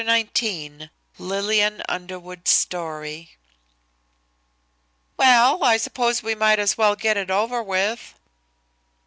XIX LILLIAN UNDERWOOD'S STORY "Well, I suppose we might as well get it over with."